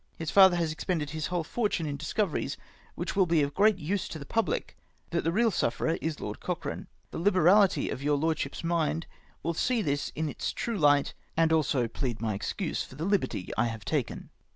His father has expended his whole fortune in discoveries which will be of great use to the public — but the real sufferer is Lord Cochrane. The liberality of your Lordship's mind will see this in its true light, and also plead my excuse for the liberty I have taken.